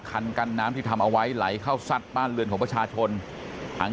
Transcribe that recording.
คันกันน้ำที่ทำเอาไว้ไหลเข้าซัดบ้านเรือนของประชาชนทั้ง